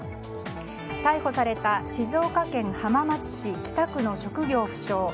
逮捕された静岡県浜松市北区の職業不詳